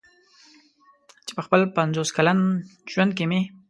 چې په خپل پنځوس کلن ژوند کې مې.